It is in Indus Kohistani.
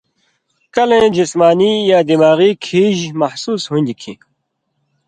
کلَیں جسمانی یا دماغی کھیژ محسوس ہُوݩدیۡ کھیں